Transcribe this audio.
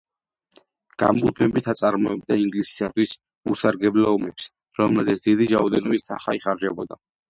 გამუდმებით აწარმოებდა ინგლისისათვის უსარგებლო ომებს, რომელზეც დიდი რაოდენობით თანხა იხარჯებოდა.